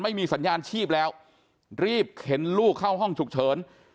ไม่มีสัญญาณชีพแล้วรีบเข็นลูกเข้าห้องฉุกเฉิน